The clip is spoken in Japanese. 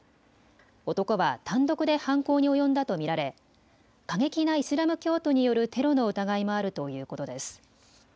男は単独で犯行に及んだと見られ過激なイスラム教徒によるテロの疑いもあるということです。